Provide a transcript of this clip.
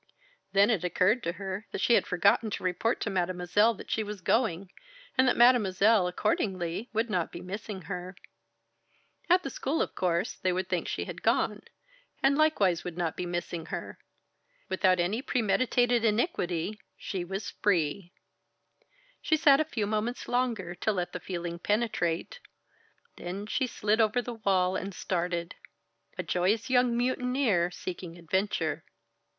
Then it occurred to her that she had forgotten to report to Mademoiselle that she was going, and that Mademoiselle, accordingly, would not be missing her. At the school, of course, they would think that she had gone, and likewise would not be missing her. Without any premeditated iniquity, she was free! She sat a few moments longer to let the feeling penetrate. Then she slid over the wall and started a joyous young mutineer, seeking adventure.